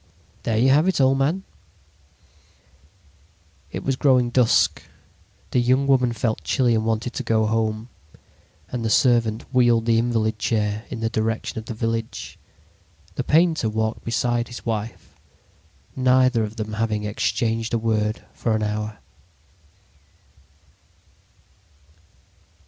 "There you have it, old man." It was growing dusk. The young woman felt chilly and wanted to go home, and the servant wheeled the invalid chair in the direction of the village. The painter walked beside his wife, neither of them having exchanged a word for an hour.